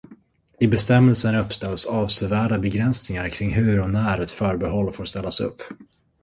I bestämmelsen uppställs avsevärda begränsningar kring hur och när ett förbehåll får ställas upp.